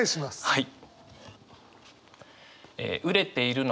はい。